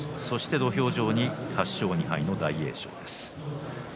土俵上に８勝２敗の大栄翔です。